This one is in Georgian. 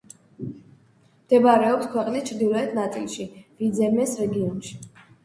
მდებარეობს ქვეყნის ჩრდილოეთ ნაწილში, ვიძემეს რეგიონში.